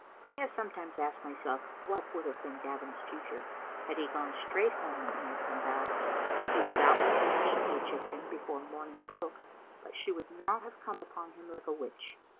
I have sometimes asked myself what would have been Gavin's future had he gone straight home that night from Dow's. He would doubtless have seen the Egyp tian before morning broke, but she would not have come upon him like a witch.